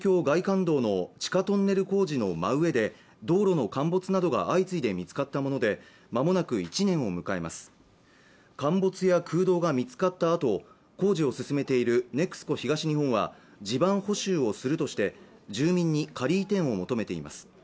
この問題は去年１０月、東京・調布市で東京外環道の地下トンネル工事の真上で道路の陥没などが相次いで見つかったものでまもなく１年を迎えます陥没や空洞が見つかったあと工事を進めているＮＥＸＣＯ東日本は地盤補修をするとして住民に仮移転を求めています